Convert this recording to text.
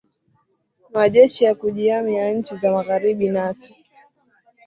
majeshi ya kujihami ya nchi za magharibi nato